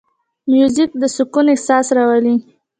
موزیک د سکون احساس راولي.